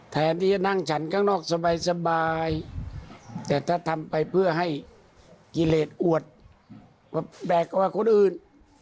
แทนที่จะนั่งฉันข้างนอกสบายแต่ถ้าทำไปเพื่อให้กิเลสอวดแบกกว่าคนอื่น